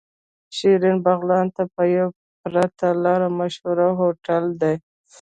شيرين بغلان ته په پرته لاره مشهور هوټل دی.